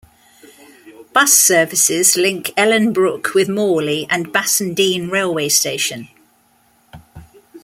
Bus services link Ellenbrook with Morley and Bassendean railway station.